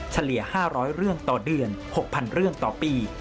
เฉลี่ย๕๐๐เรื่องต่อเดือน๖๐๐เรื่องต่อปี